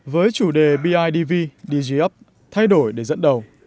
với chủ đề bidv dg up thay đổi để dẫn đầu